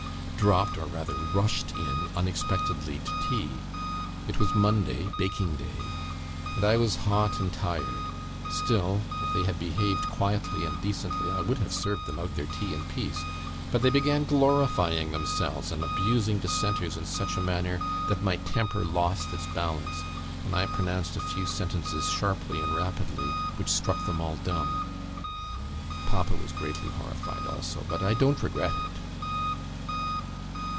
dropped, or rather rushed, in unexpectedly to tea. It was Monday (baking day), and I was hot and tired; still, if they had behaved quietly and decently, I would have served them out their tea in peace; but they began glorifying themselves, and abusing Dissenters in such a manner, that my temper lost its balance, and I pronounced a few sentences sharply and rapidly, which struck them all dumb. Papa was greatly horrified also, but I don't regret it."